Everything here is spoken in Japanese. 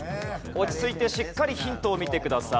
落ち着いてしっかりヒントを見てください。